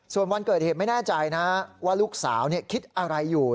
ส่วนวันเกิดเหตุไม่แน่ใจนะว่าลูกสาวคิดอะไรอยู่